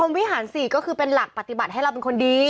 วิหาร๔ก็คือเป็นหลักปฏิบัติให้เราเป็นคนดี